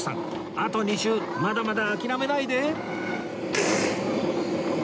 あと２周まだまだ諦めないで